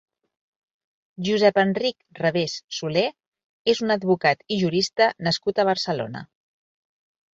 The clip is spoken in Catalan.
Josep-Enric Rebés Solé és un advocat i jurista nascut a Barcelona.